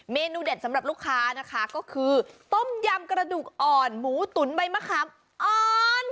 เมนูเด็ดสำหรับลูกค้านะคะก็คือต้มยำกระดูกอ่อนหมูตุ๋นใบมะขามอ่อน